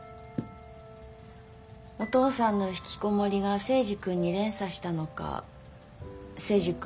お父さんのひきこもりが征二君に連鎖したのか征二君